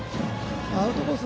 アウトコース